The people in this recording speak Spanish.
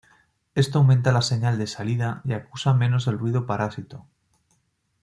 Esto aumenta la señal de salida y acusa menos el ruido parásito.